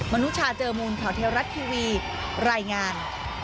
มนุชาเจอมูลแถวไทยรัตน์ทีวีรายงาน